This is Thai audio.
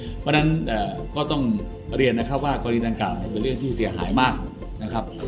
เพราะฉะนั้นก็ต้องเรียนนะครับว่ากรณีดังกล่าวเป็นเรื่องที่เสียหายมากนะครับ